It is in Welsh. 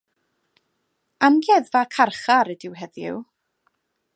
Amgueddfa carchar ydyw heddiw.